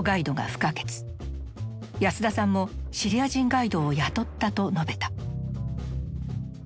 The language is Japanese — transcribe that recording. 安田さんもシリア人ガイドを雇ったと述べた。